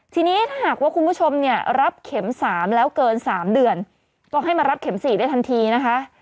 ทีนี้ถ้าหากว่าคุณผู้ชมเนี่ยรับเข็ม๓แล้วเกิน๓เดือนก็ให้มารับเข็ม๔ได้ทันทีนะคะ